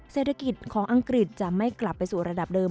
เศรษฐกิจของอังกฤษจะไม่กลับไปสู่ระดับเดิม